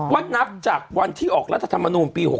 นับจากวันที่ออกรัฐธรรมนูลปี๖๐